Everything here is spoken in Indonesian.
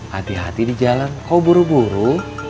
hati hati di jalan kau buru buru